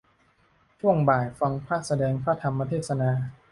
ช่วงบ่าย ฟังพระแสดงพระธรรมเทศนา